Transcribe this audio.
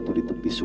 tetapi ketika itu